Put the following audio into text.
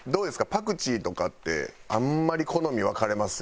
パクチーとかってあんまり好み分かれますよね。